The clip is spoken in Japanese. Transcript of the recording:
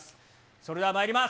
それではまいります。